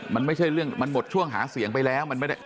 มันหมดช่วงหาเสียงไปแล้ว